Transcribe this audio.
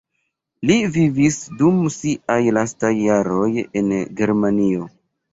Li vivis dum siaj lastaj jaroj en Germanio.